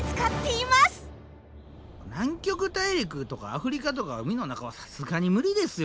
南極大陸とかアフリカとか海の中はさすがに無理ですよ